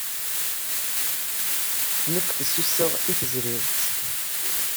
Nekk fessuseɣ i tezrirt.